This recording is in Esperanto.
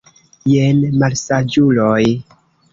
Jen, malsaĝuloj!